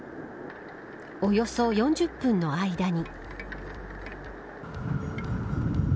およそ４０分の間に。